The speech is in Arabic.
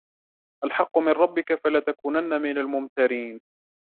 الْحَقُّ مِنْ رَبِّكَ فَلَا تَكُونَنَّ مِنَ الْمُمْتَرِينَ